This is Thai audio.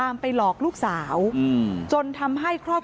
เมื่อเวลาอันดับ